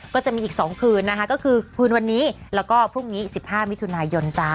ก็จะมีอีก๒คืนนะคะก็คือคืนวันนี้แล้วก็พรุ่งนี้๑๕มิถุนายนจ้า